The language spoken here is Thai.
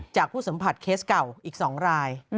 ผู้สัมผัสเคสเก่าอีก๒ราย